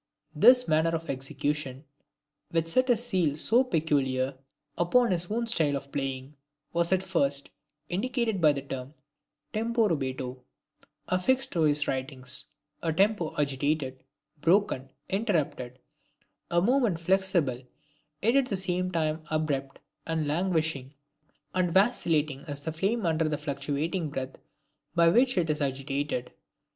This manner of execution, which set a seal so peculiar upon his own style of playing, was at first indicated by the term 'tempo rubato', affixed to his writings: a Tempo agitated, broken, interrupted, a movement flexible, yet at the same time abrupt and languishing, and vacillating as the flame under the fluctuating breath by which it is agitated.